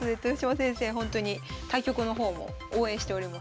ほんとに対局の方も応援しております。